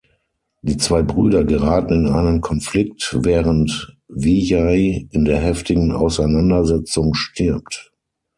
Die zwei Brüder geraten in einen Konflikt, während Vijay in der heftigen Auseinandersetzung stirbt.